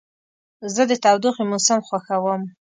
زه د تودوخې موسم خوښوم.